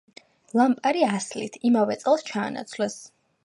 ლამპარი ასლით, იმავე წელს ჩაანაცვლეს.